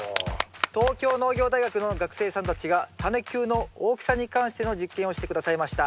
東京農業大学の学生さんたちがタネ球の大きさに関しての実験をして下さいました。